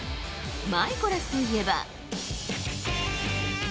マイコラスといえば。